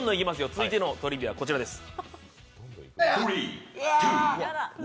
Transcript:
続いてのトリビア、こちらです。